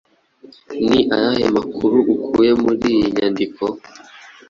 Ni ayahe makuru ukuye muri iyi nyandiko?